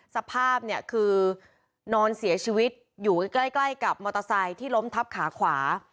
สภาพเนี่ยคือนอนเสียชีวิตอยู่ใกล้กับมอเตอร์ไซค์ที่ล้มทับขาขวา